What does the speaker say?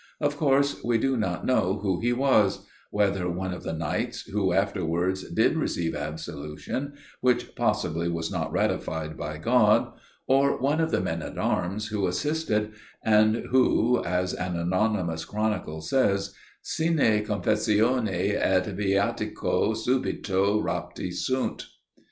Of course we do not know who he was; whether one of the knights who afterwards did receive absolution, which possibly was not ratified by God; or one of the men at arms who assisted, and who, as an anonymous chronicle says, 'sine confessione et viatico subito rapti sunt.